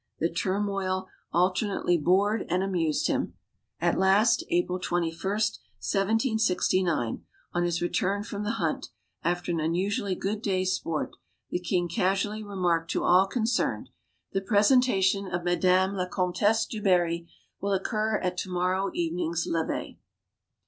The turmoil alter nately bored and amused him. At last April 2 1 , 1 769 on his return from the hunt, after an unusually good day's sport, the king casually remarked to all concerned : "The presentation of Madame la Comtesse du Barry will occur at to morrow evening's levee."